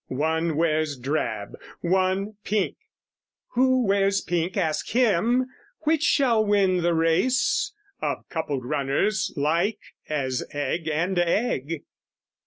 One wears drab, one, pink; Who wears pink, ask him "Which shall win the race, "Of coupled runners like as egg and egg?"